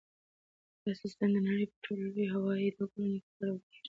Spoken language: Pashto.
دا سیسټم د نړۍ په ټولو لویو هوایي ډګرونو کې کارول کیږي.